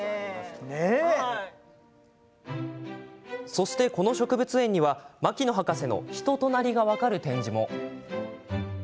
そして、この植物園には牧野博士の人となりが分かる展示も。